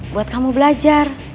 buat kamu belajar